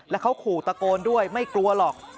แล้วเขาขู่ตะโกนด้วยไม่กลัวหรอก